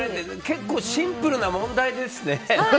結構シンプルな問題ですね。